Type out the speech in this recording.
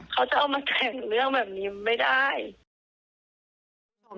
เขาจะเอามาแต่งเรื่องแบบนี้ไม่ได้